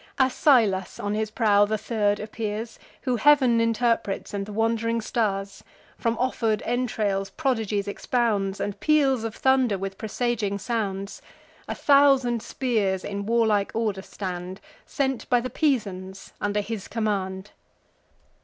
Asylas on his prow the third appears, Who heav'n interprets, and the wand'ring stars; From offer'd entrails prodigies expounds, And peals of thunder, with presaging sounds. A thousand spears in warlike order stand, Sent by the Pisans under his command.